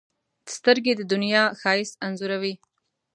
سترګې د دنیا ښایست انځوروي